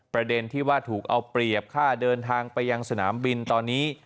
ประเด็นที่ว่าถูกเอาเปรียบค่าเดินทางไปยังสนามบินตอนนี้